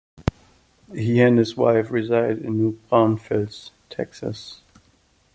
He and his wife reside in New Braunfels, Texas.